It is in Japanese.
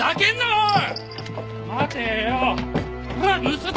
おい！